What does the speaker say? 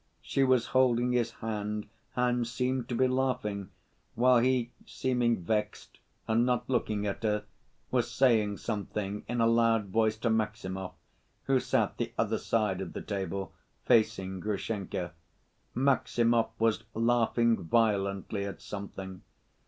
She was holding his hand and seemed to be laughing, while he, seeming vexed and not looking at her, was saying something in a loud voice to Maximov, who sat the other side of the table, facing Grushenka. Maximov was laughing violently at something.